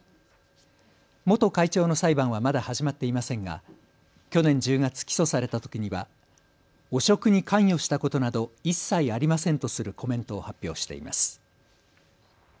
元会長の裁判はまだ始まっていませんが去年１０月、起訴されたときには汚職に関与したことなど一切ありませんとするコメントを発表しています。